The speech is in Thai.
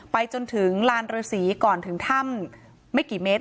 ไปจนถึงลานฤษีก่อนถึงถ้ำไม่กี่เมตร